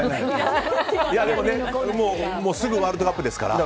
すぐワールドカップですから。